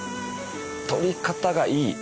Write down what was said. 撮り方がいい。